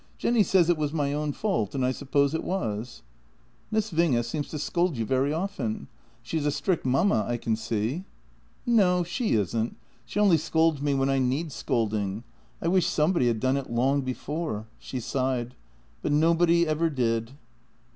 Jenny says it was my own fault, and I sup pose it was." " Miss Winge seems to scold you very often. She is a strict mamma, I can see." "No, she isn't. She only scolds me when I need scolding: I wish somebody had done it long before." She sighed. " But nobody ever did."